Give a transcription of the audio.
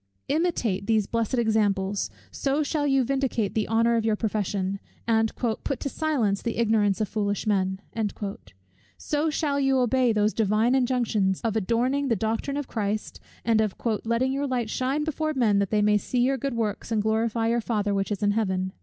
Imitate these blessed examples: so shall you vindicate the honour of your profession, and "put to silence the ignorance of foolish men:" so shall you obey those Divine injunctions of adorning the doctrine of Christ, and of "letting your light shine before men, that they may see your good works, and glorify your Father which is in heaven."